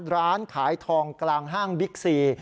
ร้านขายทองกลางห้างบิ๊กซี